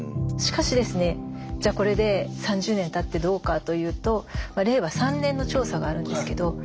しかしですねじゃあこれで３０年たってどうかというと令和３年の調査があるんですけど。